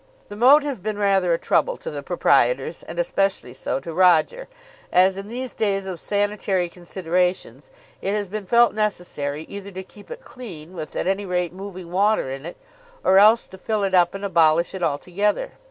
The moat has been rather a trouble to the proprietors, and especially so to Roger, as in these days of sanitary considerations it has been felt necessary either to keep it clean with at any rate moving water in it, or else to fill it up and abolish it altogether.